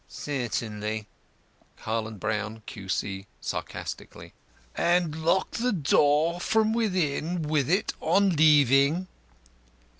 "Certainly." BROWN HARLAND, Q.C. (sarcastically): "And locked the door from within with it on leaving?"